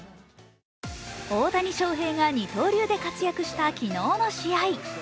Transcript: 大谷翔平が二刀流で活躍した昨日の試合。